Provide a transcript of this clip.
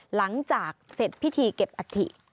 หลังจากเสร็จพิธีเก็บอัฐิ